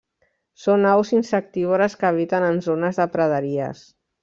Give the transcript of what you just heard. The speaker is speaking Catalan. Són aus insectívores que habiten en zones de praderies.